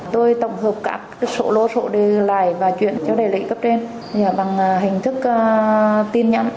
tôi tổng hợp các sổ lô sổ đề lại và chuyển cho đại lệ cấp trên bằng hình thức tin nhắn